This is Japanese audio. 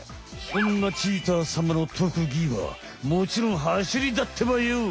そんなチーターさまの特技はもちろん走りだってばよ！